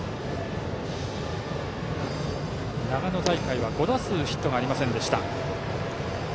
長野大会は５打数ヒットがありませんでした。